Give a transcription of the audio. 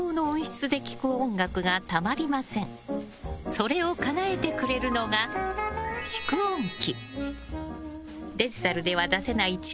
それをかなえてくれるのが蓄音機。